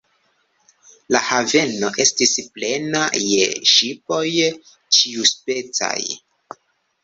La haveno estis plena je ŝipoj ĉiuspecaj.